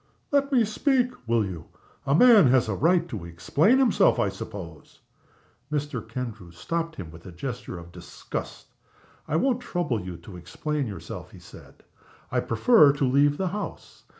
'" "Let me speak, will you! A man has a right to explain himself, I suppose?" Mr. Kendrew stopped him by a gesture of disgust. "I won't trouble you to explain yourself," he said. "I prefer to leave the house.